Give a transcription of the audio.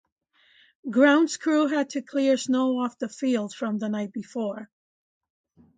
Grounds crew had to clear snow off the field from the night before.